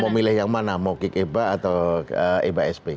mau milih yang mana mau kick eba atau eba sp